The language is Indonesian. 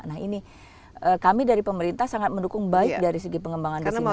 nah ini kami dari pemerintah sangat mendukung baik dari segi pengembangan di sini